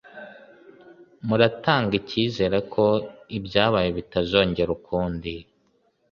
muratanga icyizere ko ibyabaye bitazongera ukundi